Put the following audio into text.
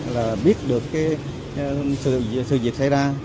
là biết được cái sự diệt xảy ra